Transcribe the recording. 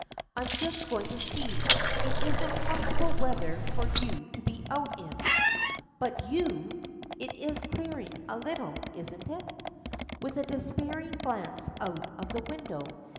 I'm just going to see. It is impossible weather for you to be out in." "But you ? It is clearing a little, isn't it?" with a despairing glance out of the window.